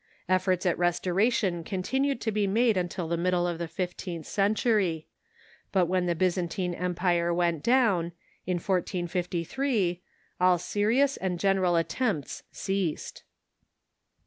Efforts at restoration continued to be made until the middle of the fifteenth centur}'. But when the Byzantine Empire went down, in 1453, all serious and gen eral attempts ceased.